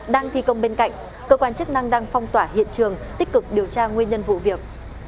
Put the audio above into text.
đang thi công bên cạnh cơ quan chức năng đang phong tỏa hiện trường tích cực điều tra nguyên nhân vụ việc